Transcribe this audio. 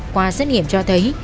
qua xét nghiệm cho thấy